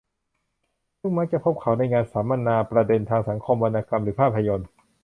ผมมักจะพบเขาในงานสัมมนาประเด็นทางสังคม วรรณกรรม หรือภาพยนตร์